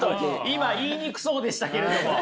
今言いにくそうでしたけれども。